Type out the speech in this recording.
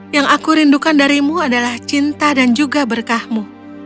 yang aku rindukan darimu adalah cinta dan juga berkahmu